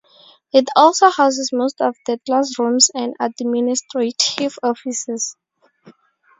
It also houses most of the classrooms and administrative offices.